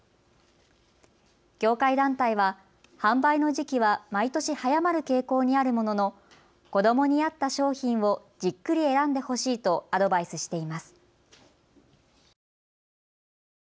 業界団体は販売の時期は毎年早まる傾向にあるものの子どもに合った商品をじっくり選んでほしいとアドバイスしています。